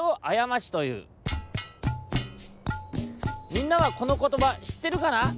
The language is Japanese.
みんなはこのことばしってるかな？